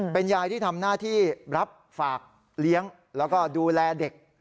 เป็นยายที่ทำหน้าที่รับฝากเลี้ยงแล้วก็ดูแลเด็ก